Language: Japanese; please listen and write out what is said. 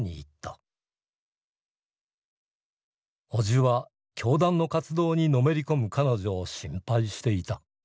伯父は教団の活動にのめり込む彼女を心配していた。